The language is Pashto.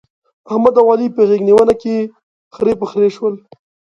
احمد او علي په غېږ نيونه کې خرې پر خرې شول.